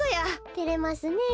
てれますねえ。